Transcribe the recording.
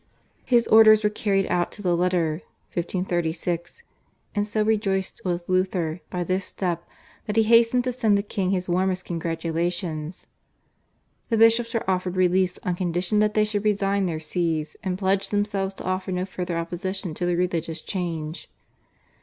His orders were carried out to the letter (1536), and so rejoiced was Luther by this step that he hastened to send the king his warmest congratulations. The bishops were offered release on condition that they should resign their Sees and pledge themselves to offer no further opposition to the religious change.